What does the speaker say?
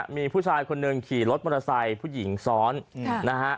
มีผู้ชายคนหนึ่งขี่รถมอเตอร์ไซค์ผู้หญิงซ้อนนะฮะ